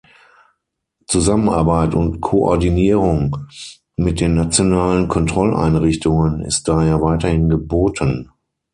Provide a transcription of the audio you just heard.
Zusammenarbeit und Koordinierung mit den nationalen Kontrolleinrichtungen ist daher weiterhin geboten.